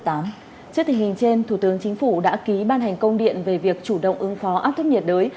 trước tình hình trên thủ tướng chính phủ đã ký ban hành công điện về việc chủ động ứng phó áp thấp nhiệt đới